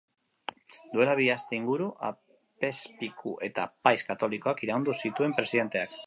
Duela bi aste inguru, apezpiku eta apaiz katolikoak iraindu zituen presidenteak.